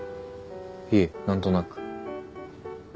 いえ何となく。